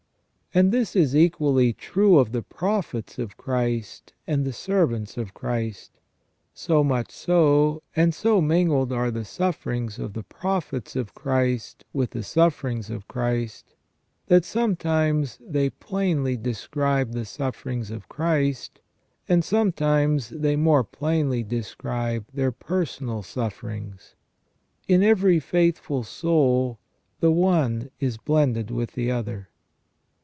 And this is equally true of the prophets of Christ and the servants of Christ ; so much so, and so mingled are the sufferings of the prophets of Christ with the sufferings of Christ, that sometimes they plainly describe the sufferings of Christ, and sometimes they more plainly describe their personal sufferings. In every faithful soul the one is blended with the other.